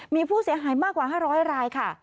มา๕๐๐ลายค่ะ